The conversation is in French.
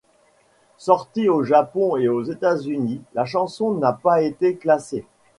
Sortie au Japon et aux États-Unis, la chanson n'a pas été classée.